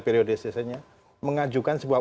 periode sesenya mengajukan sebuah